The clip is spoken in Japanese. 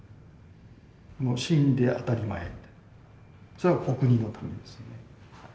もう死んで当たり前それはお国のためですよね。